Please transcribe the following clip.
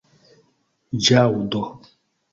ĵaŭdo